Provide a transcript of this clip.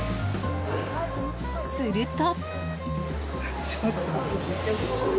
すると。